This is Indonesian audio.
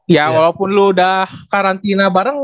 ya walaupun lu udah karantina bareng